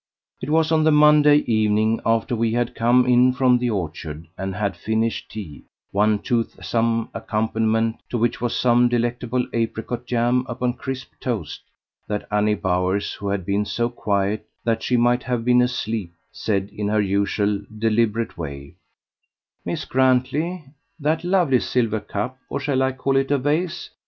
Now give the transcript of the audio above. It was on the Monday evening, after we had come in from the orchard and had finished tea, one toothsome accompaniment to which was some delectable apricot jam upon crisp toast, that Annie Bowers, who had been so quiet that she might have been asleep, said in her usual deliberate way: "Miss Grantley, that lovely silver cup (or shall I call it a vase?)